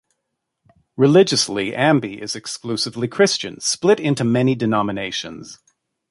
Religiously Ambae is exclusively Christian, split into many denominations.